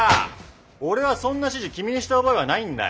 俺はそんな指示君にした覚えはないんだよ。